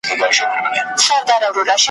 چي پر پامیر مي خپل بیرغ بیا رپېدلی نه دی `